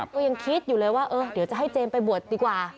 ก็ยังคิดอยู่เลยว่าเออเดี๋ยวจะให้เจมส์ไปบวชดีกว่า